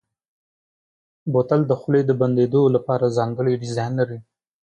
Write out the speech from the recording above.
بوتل د خولې د بندېدو لپاره ځانګړی ډیزاین لري.